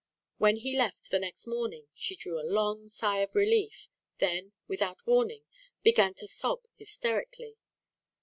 When he left, the next morning, she drew a long sigh of relief, then, without warning, began to sob hysterically.